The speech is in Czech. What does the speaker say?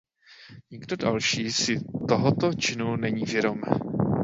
Nikdo další si tohoto činu není vědom.